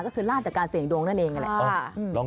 ก็คือล่าจากการเสียงดวงนั่นเอง